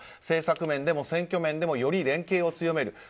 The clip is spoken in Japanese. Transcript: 政策面でも選挙面でもより連携を強める。